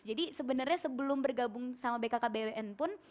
jadi sebenarnya sebelum bergabung sama bkkbn pun